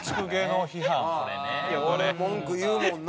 文句言うもんな。